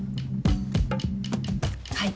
はい。